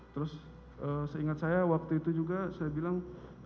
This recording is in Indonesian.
terus seingat saya waktu itu juga saya bilang